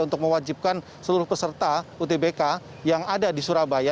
untuk mewajibkan seluruh peserta utbk yang ada di surabaya